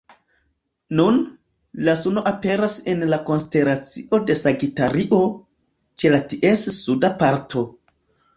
Nun, la suno aperas en la konstelacio de Sagitario, ĉe ties suda parto.